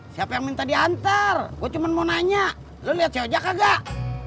siapa yang minta diantar gue cuma mau nanya lo liat si ocak gak